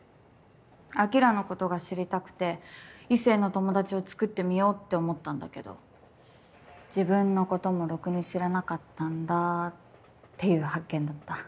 晶のことが知りたくて異性の友達をつくってみようって思ったんだけど自分のこともろくに知らなかったんだっていう発見だった。